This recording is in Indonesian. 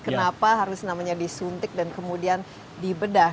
kenapa harus namanya disuntik dan kemudian dibedah